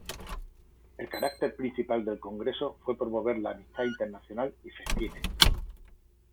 El carácter principal del congreso fue promover la amistad internacional y festines.